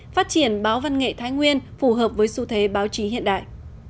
phát triển báo văn nghệ thái nguyên phù hợp với xu thế báo chí hiện đại